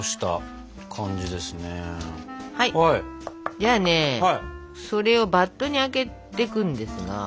じゃあねそれをバットにあけていくんですが。